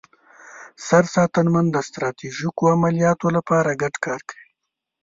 سرساتنمن د ستراتیژیکو عملیاتو لپاره ګډ کار کوي.